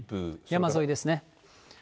山沿いですね。